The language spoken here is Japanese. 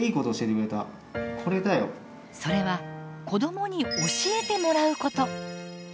それは子どもに教えてもらうこと。